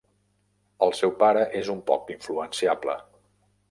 El seu pare és un poc influenciable.